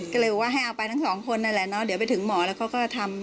ก็เลยบอกว่าให้เอาไปทั้งสองคนนั่นแหละเนาะเดี๋ยวไปถึงหมอแล้วเขาก็ทำ